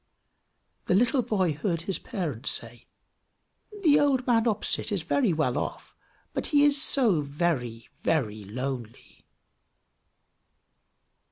The little boy heard his parents say, "The old man opposite is very well off, but he is so very, very lonely!"